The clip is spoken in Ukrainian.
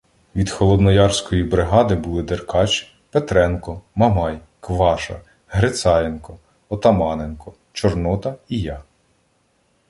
Від Холодноярської бригади були Деркач, Петренко, Мамай, Кваша, Грицаєнко, Отаманенко, Чорнота і я.